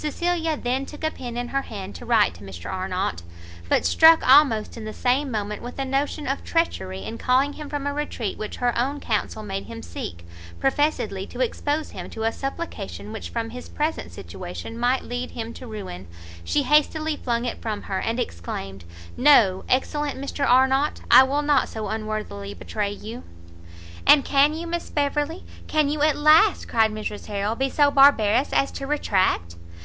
Cecilia then took a pen in her hand to write to Mr Arnott; but struck almost in the same moment with a notion of treachery in calling him from a retreat which her own counsel made him seek, professedly to expose him to a supplication which from his present situation might lead him to ruin, she hastily flung it from her, and exclaimed "No, excellent Mr Arnott, I will not so unworthily betray you!" "And can you, Miss Beverley, can you at last," cried Mrs Harrel, "be so barbarous as to retract?"